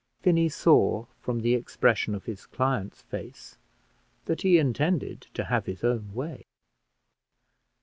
Finney saw from the expression of his client's face that he intended to have his own way.